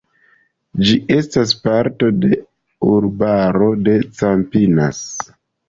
Ĝi estas parto de urbaro de Campinas.